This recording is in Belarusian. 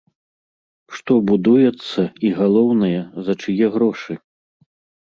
Што будуецца і, галоўнае, за чые грошы.